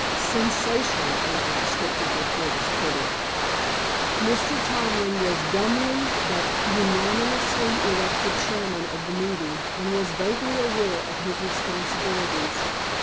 Sensation, as the descriptive reporters put it. Mr. Tomlin was dumbly but unanimously elected chairman of the meeting, and was vaguely aware of his responsibilities.